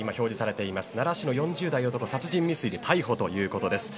奈良市の４０代男、殺人未遂で逮捕ということです。